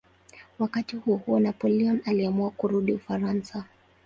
Wakati huohuo Napoleon aliamua kurudi Ufaransa.